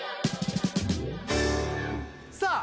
さあ